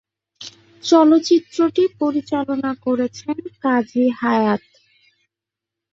চলচ্চিত্রটি পরিচালনা করেছেন কাজী হায়াৎ।